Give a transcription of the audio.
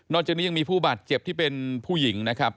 จากนี้ยังมีผู้บาดเจ็บที่เป็นผู้หญิงนะครับ